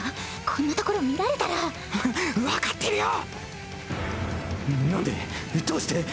こんなところ見られたら。わ分かってるよ！